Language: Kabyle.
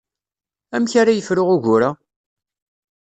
Amek ara yefru ugur-a?